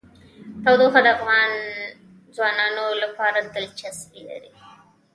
تودوخه د افغان ځوانانو لپاره دلچسپي لري.